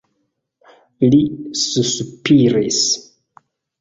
Li suspiris.